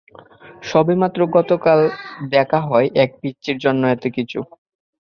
সবেমাত্র গতকাল দেখা হওয়া এক পিচ্চির জন্য এতকিছু?